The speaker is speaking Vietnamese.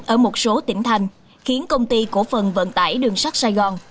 ở một số tỉnh thành khiến công ty cổ phần vận tải đường sắt sài gòn